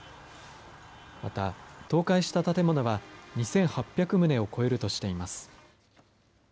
また、倒壊した建物は２８００棟を超えるとしています。